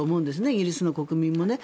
イギリスの国民もね。